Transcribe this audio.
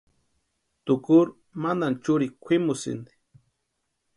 Tukuru mantani chúrikwa kwʼimusïnti.